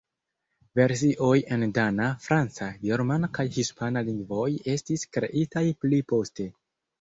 Versioj en dana, franca, germana kaj hispana lingvoj estis kreitaj pli poste.